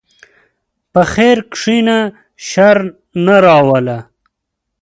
په خیر کښېنه، شر نه راوله.